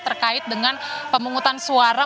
terkait dengan pemungutan suara